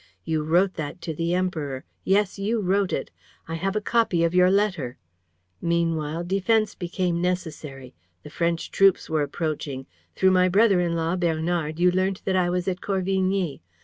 You wrote that to the Emperor, yes, you wrote it! I have a copy of your letter. ... Meanwhile, defense became necessary. The French troops were approaching. Through my brother in law, Bernard, you learnt that I was at Corvigny.